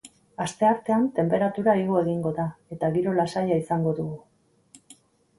Asteartean tenperatura igo egingo da eta giro lasaia izango dugu.